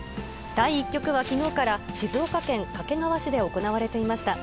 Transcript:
第１局はきのうから静岡県掛川市で行われていました。